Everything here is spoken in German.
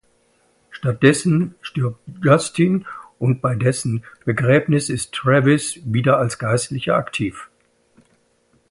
Stattdessen stirbt Justin und bei dessen Begräbnis ist Travis wieder als Geistlicher aktiv.